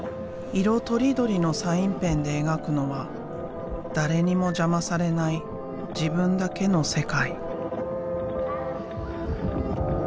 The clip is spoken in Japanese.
色とりどりのサインペンで描くのは誰にも邪魔されない自分だけの世界。